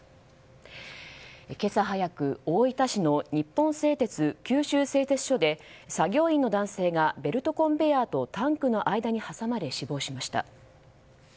今朝早く、大分市の日本製鉄九州製鉄所で作業員の男性がベルトコンベヤーとタンクの間に挟まれ死亡しました。